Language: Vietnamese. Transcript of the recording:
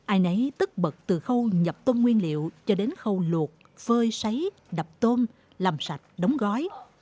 ai nấy tức bật từ khâu nhập tôm nguyên liệu cho đến khâu luộc phơi sấy đập tôm làm sạch đóng gói